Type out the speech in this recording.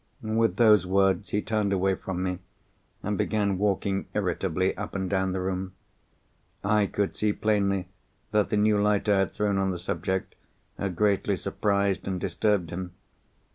With those words he turned away from me, and began walking irritably up and down the room. I could see plainly that the new light I had thrown on the subject had greatly surprised and disturbed him.